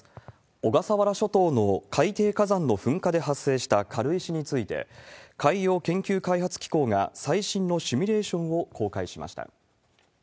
小笠原諸島の海底火山の噴火で発生した軽石について、海洋研究開発機構が最新のシミュレーションを公開しました。